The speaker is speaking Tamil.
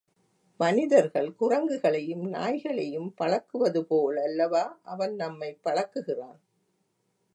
மனிதர்கள் குரங்குகளையும், நாய்களையும் பழக்குவது போல் அல்லவா அவன் நம்மைப் பழக்குகிறான்?